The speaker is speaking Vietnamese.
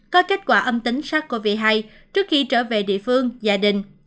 có kết quả âm tính sars cov hai trước khi trở về địa phương gia đình